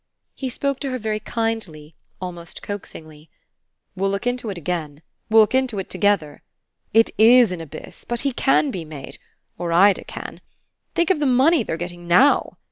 He spoke to her very kindly, almost coaxingly. "We'll look into it again; we'll look into it together. It IS an abyss, but he CAN be made or Ida can. Think of the money they're getting now!"